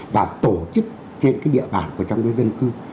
và tổ chức trên cái địa bản của trong đối dân cư